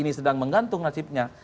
ini sedang menggantung nasibnya